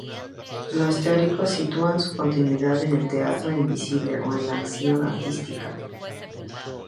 Los teóricos sitúan su continuidad en el teatro invisible o en la acción artística.